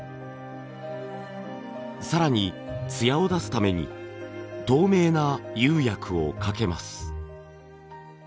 更に艶を出すために透明な釉薬をかけます。